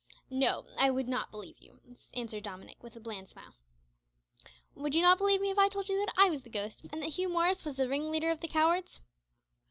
"No, I would not believe you," answered Dominick, with a bland smile. "Would you not believe me if I told you that I was the ghost and that Hugh Morris was the ringleader of the cowards?"